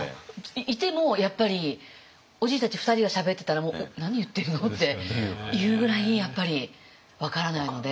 いてもやっぱりおじいたち２人がしゃべってたら「何言ってるの？」っていうぐらいやっぱり分からないので。